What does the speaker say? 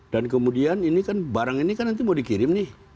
dan kemudian ini kan barang ini kan nanti mau dikirim nih